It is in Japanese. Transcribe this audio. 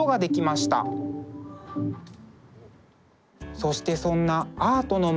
そしてそんなアートの街